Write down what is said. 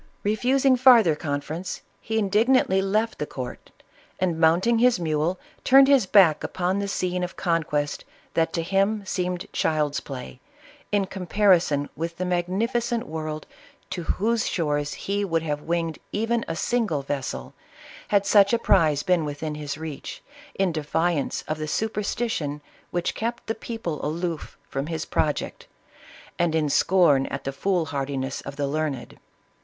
Re fusing farther conference, he indignantly left the court, and mounting his mule, turned his back upon the scene of conquest that to him seemed child's play, in compar ison with the magnificent world, to whose shores he would have winged even a single vessel, had such a prize been within his reach, in defiance of the super stition which kept the people aloof from his project, and in scorn at the fool hardiness of the learned.